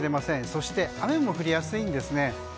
そして、雨も降りやすいんですね。